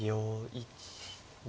１２。